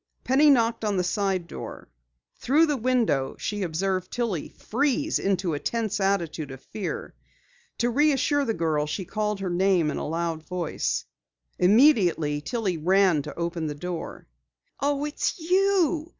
Penny knocked on the side door. Through the window she observed Tillie freeze into a tense attitude of fear. To reassure the girl she called her name in a loud voice. Immediately Tillie ran to open the door. "Oh, it's you!"